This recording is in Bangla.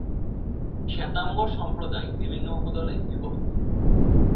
শ্বেতাম্বর সম্প্রদায় বিভিন্ন উপদলে বিভক্ত।